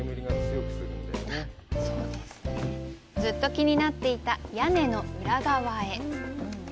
ずっと気になっていた屋根の裏側へ。